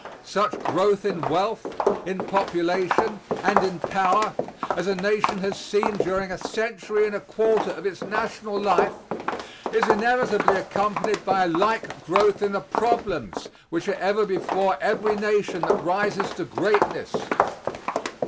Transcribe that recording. Such growth in wealth, in population, and in power, as a nation has seen during a century and a quarter of its national life, is inevitably accompanied by a like growth in the problems which are ever before every nation that rises to greatness.